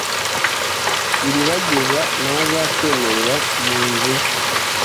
Iribagiza ntazakwemerera mu nzu ye.